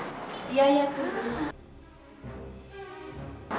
dia ya tuh